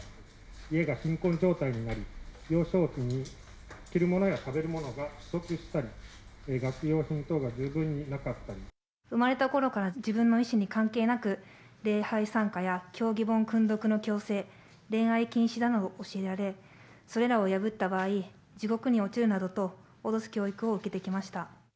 家が貧困状態になり、幼少期に着るものや食べ物が不足したり、学用品等が十分になかっ生まれたころから自分の意思に関係なく、礼拝参加や教義本訓読の強制、恋愛禁止などを教えられ、それらを破った場合、地獄に落ちるなどと脅す教育を受けてきました。